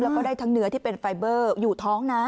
แล้วก็ได้ทั้งเนื้อที่เป็นไฟเบอร์อยู่ท้องนะ